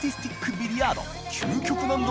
ビリヤード羔貌